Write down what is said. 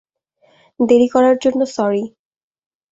দেরি করার জন্য সরি।